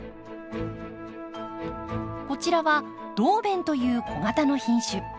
こちらはドウベンという小型の品種。